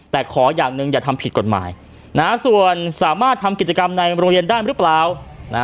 แต่ขออย่างหนึ่งอย่าทำผิดกฎหมายนะส่วนสามารถทำกิจกรรมในโรงเรียนได้หรือเปล่า